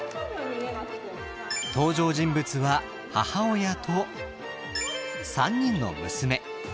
登場人物は母親と３人の娘。